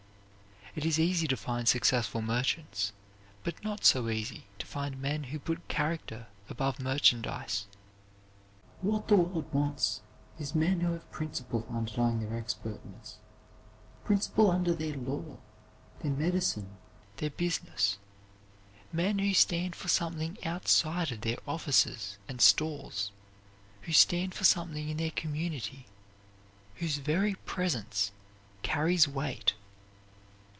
It is easy to find successful merchants, but not so easy to find men who put character above merchandise. What the world wants is men who have principle underlying their expertness principle under their law, their medicine, their business; men who stand for something outside of their offices and stores; who stand for something in their community; whose very presence carries weight.